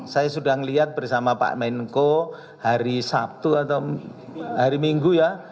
saya sudah melihat bersama pak menko hari sabtu atau hari minggu ya